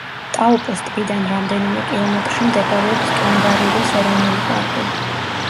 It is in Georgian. ტაუპოს ტბიდან რამდენიმე კილომეტრში მდებარეობს ტონგარიროს ეროვნული პარკი.